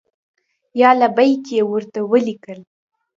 یا لبیک! یې ورته ولیکل.